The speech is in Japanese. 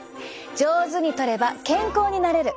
上手にとれば健康になれる。